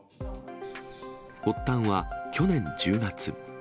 発端は去年１０月。